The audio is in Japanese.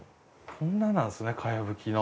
こんななんですね茅葺きの。